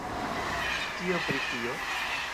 Kio pri tio?